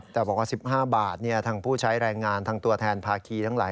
แต่บอกว่า๑๕บาททางผู้ใช้แรงงานทางตัวแทนภาคีทั้งหลาย